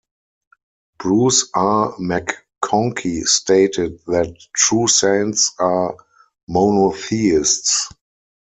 Bruce R. McConkie stated that true saints are monotheists.